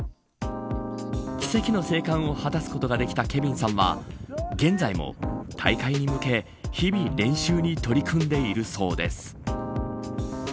奇跡の生還を果たすことができたケビンさんは現在も大会に向け日々練習に取り組んでいるそうです。